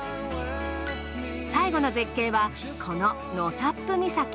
最後の絶景はこの納沙布岬。